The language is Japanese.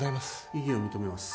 異議を認めます。